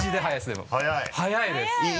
早いです。